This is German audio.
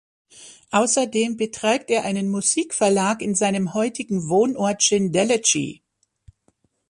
Ausserdem betreibt er einen Musikverlag in seinem heutigen Wohnort Schindellegi.